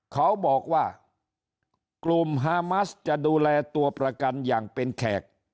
เขาบอกว่ากลุ่มฮามัสจะดูแลตัวประกันอย่างเป็นแขก